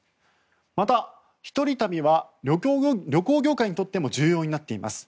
また、一人旅は旅行業界にとっても重要になっています。